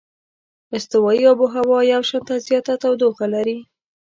استوایي آب هوا یو شانته زیاته تودوخه لري.